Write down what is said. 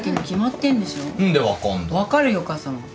分かるよお母さんは。